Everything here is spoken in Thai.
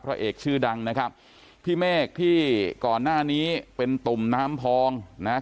เอกชื่อดังนะครับพี่เมฆที่ก่อนหน้านี้เป็นตุ่มน้ำพองนะฮะ